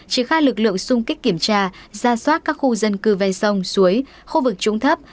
triển khai lực lượng xung kích kiểm tra ra soát các khu dân cư ven sông suối khu vực trúng thấp